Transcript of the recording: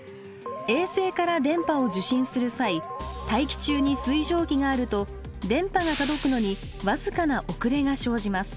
衛星から電波を受信する際大気中に水蒸気があると電波が届くのにわずかな遅れが生じます。